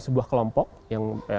sebuah kelompok yang